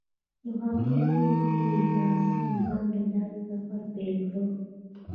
هغوی یوځای د آرام بام له لارې سفر پیل کړ.